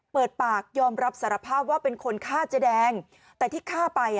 เปิดปากยอมรับสารภาพว่าเป็นคนฆ่าเจ๊แดงแต่ที่ฆ่าไป